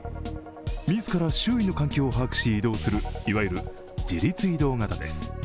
自ら周囲の環境を把握し、移動するいわゆる自律移動型です。